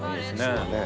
そうだね